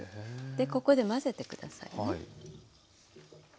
でここで混ぜて下さいね。